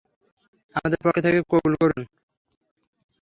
আমাদের পক্ষ থেকে কবুল করুন।